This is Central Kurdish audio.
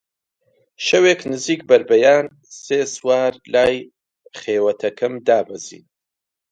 شەوێک نزیکی بەربەیان سێ سوار لای خێوەتەکەم دابەزین